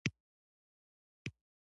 ځینې محصلین د خپل شخصیت جوړونې هڅه کوي.